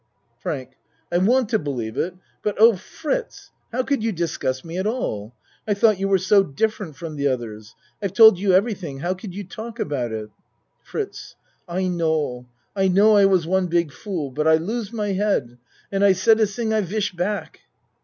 FRANK I want to believe it but, Oh, Fritz, how could you discuss me at all? I tho't you were so different from the others. I've told you every thing. How could you talk about it? FRITZ I know. I know I was one big fool, but I lose my head and I said a ting I wish back.